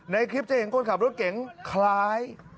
ในคลิปจะเห็นคนขับรถเก๋งคล้าย